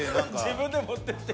自分で持ってって。